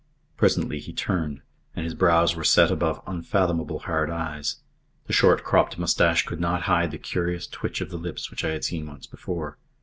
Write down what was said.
Presently he turned, and his brows were set above unfathomable hard eyes. The short cropped moustache could not hide the curious twitch of the lips which I had seen once before.